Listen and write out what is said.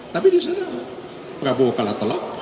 tapi disana prabowo kalah telak